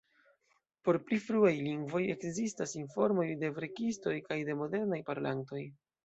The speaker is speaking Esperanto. Por pli fruaj lingvoj ekzistas informoj de verkistoj kaj de modernaj parolantoj.